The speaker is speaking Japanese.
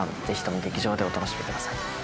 ぜひとも劇場でお楽しみください